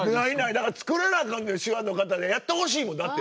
だから作らなアカンねん手話の方でやってほしいもんだって。